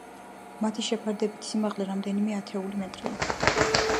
მათი შეფარდებითი სიმაღლე რამდენიმე ათეული მეტრია.